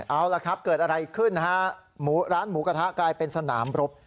เอาล่ะครับเกิดอะไรขึ้นนะฮะหมูร้านหมูกระทะกลายเป็นสนามรบ